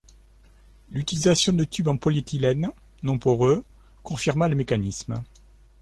L'utilisation de tubes en polyéthylène – non poreux – confirma le mécanisme.